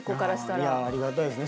いやありがたいですね